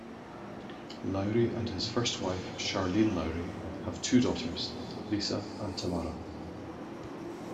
Loury and his first wife, Charlene Loury, have two daughters, Lisa and Tamara.